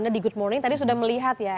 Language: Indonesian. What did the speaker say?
anda di good morning tadi sudah melihat ya